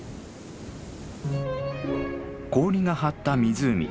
氷が張った湖。